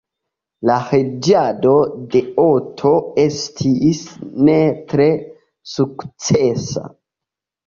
La reĝado de Otto estis ne tre sukcesa.